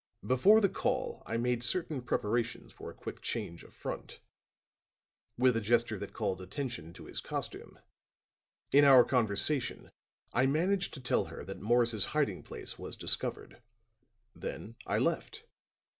Before the call I made certain preparations for a quick change of front," with a gesture that called attention to his costume; "in our conversation, I managed to tell her that Morris's hiding place was discovered. Then I left.